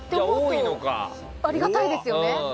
ありがたいですよね。